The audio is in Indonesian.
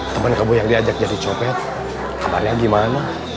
temen kamu yang diajak jadi copet kabarnya gimana